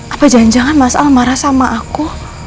apa janjangan mas al marah sama aku